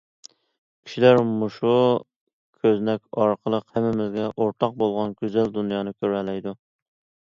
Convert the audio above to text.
كىشىلەر مۇشۇ كۆزنەك ئارقىلىق ھەممىمىزگە ئورتاق بولغان گۈزەل دۇنيانى كۆرەلەيدۇ.